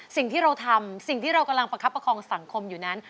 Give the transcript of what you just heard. สิ่งที่เราทำสิ่งที่เรากำลังประคับประคองสังคมอยู่นั้น